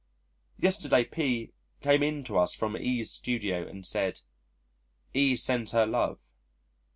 Yesterday P came in to us from E 's studio and said, "E sends her love."